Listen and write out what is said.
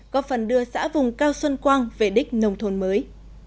có phần đưa xã vùng cao xuân quang về đích nông thôn mới